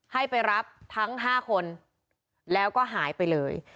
ให้ไปรับทั้ง๕คนแล้วก็หายไปเลย